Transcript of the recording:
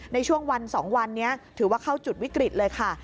ในช่วงวัน๒วันนี้ถือว่าเข้าจุดวิกฤตเลยค่ะ